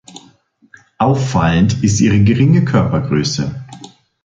Auffallend ist ihre geringe Körpergröße.